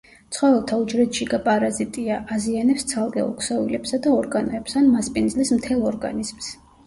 ცხოველთა უჯრედშიგა პარაზიტია, აზიანებს ცალკეულ ქსოვილებსა და ორგანოებს ან მასპინძლის მთელ ორგანიზმს.